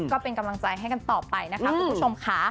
ก็เป็นกำลังใจให้กันต่อไปนะคะคุณผู้ชมค่ะ